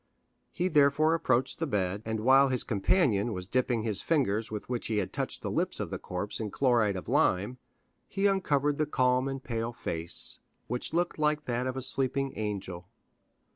He therefore approached the bed, and while his companion was dipping the fingers with which he had touched the lips of the corpse in chloride of lime, he uncovered the calm and pale face, which looked like that of a sleeping angel.